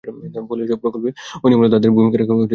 ফলে এসব প্রকল্পে অনিয়ম হলেও তাঁদের ভূমিকা রাখা সম্ভব হচ্ছে না।